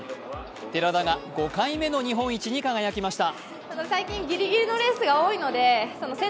寺田が５回目の日本一に輝きました。